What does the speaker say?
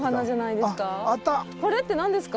これって何ですか？